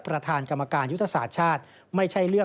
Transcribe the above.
ประธานกรรมการอยุธศาสตร์ชาติ